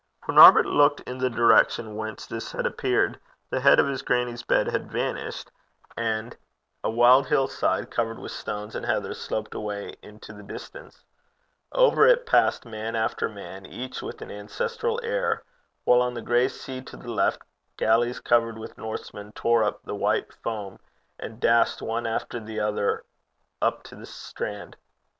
When Robert looked in the direction whence this last had appeared, the head of his grannie's bed had vanished, and a wild hill side, covered with stones and heather, sloped away into the distance. Over it passed man after man, each with an ancestral air, while on the gray sea to the left, galleys covered with Norsemen tore up the white foam, and dashed one after the other up to the strand.